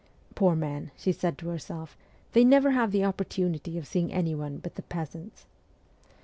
' Poor men,' she said to herself, ' they never have the opportunity of seeing anyone but the peasants.'